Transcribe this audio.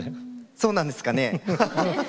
そうなんですかね？